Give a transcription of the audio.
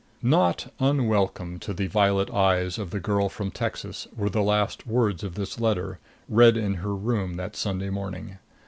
Not unwelcome to the violet eyes of the girl from Texas were the last words of this letter, read in her room that Sunday morning.